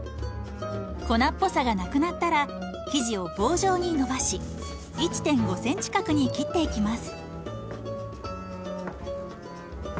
粉っぽさがなくなったら生地を棒状にのばし１．５ｃｍ角に切っていきます。